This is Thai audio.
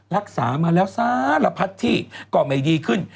รักษามาแล้วสารพัดที่ก็ไม่ดีขึ้น